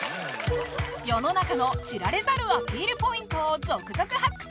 世の中の知られざるアピールポイントを続々発掘！